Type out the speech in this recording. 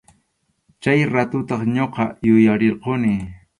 Chay ratutaq ñuqa yuyarirquni.